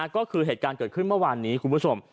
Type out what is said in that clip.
ก็คือเหตุการณ์เกิดขึ้นเมื่อวานนี้คุณผู้ชม